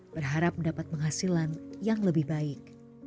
berharap mendapat penghasilan yang lebih baik